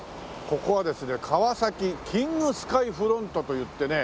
ここはですね川崎キングスカイフロントといってね